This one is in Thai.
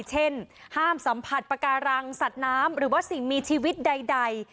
เช่นห้ามสัมผัสปาการังสัตว์น้ำหรือว่าสิ่งมีชีวิตใด